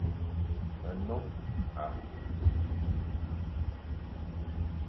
Nnôm à ku.